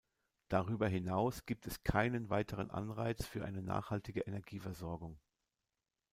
Darüber hinaus gibt es keinen weiteren Anreiz für eine nachhaltige Energieversorgung.